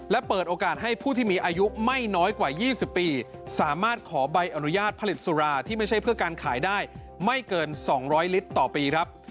และเปิดโอกาสให้ผู้ที่มีอายุไม่น้อยกว่า๒๐ปีสามารถขอใบอนุญาตผลิตสุราที่ไม่ใช่เพื่อการขายได้ไม่เกิน๒๐๐ลิตรต่อปีครับ